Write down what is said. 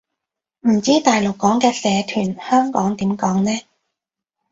唔知大陸講嘅社團，香港點講呢